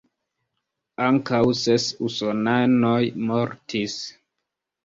Ankaŭ ses usonanoj mortis.